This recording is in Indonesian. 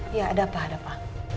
iya ada apa apa